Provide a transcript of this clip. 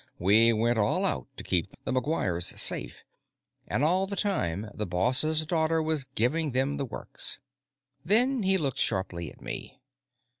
"We went all out to keep the McGuires safe, and all the time the boss' daughter was giving them the works." Then he looked sharply at me.